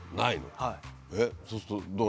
そうするとどう何？